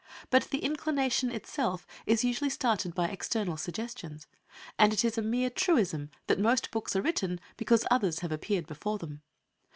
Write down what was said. But the inclination itself is usually started by external suggestions, and it is a mere truism that most books are written because others have appeared before them.